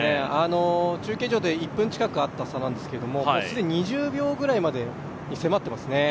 中継所で１分近くあった差なんですけど、既に２０秒ぐらいにまで迫っていますね。